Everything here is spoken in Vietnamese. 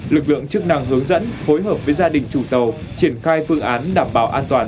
lực lượng chức năng hướng dẫn phối hợp với gia đình chủ tàu triển khai phương án đảm bảo an toàn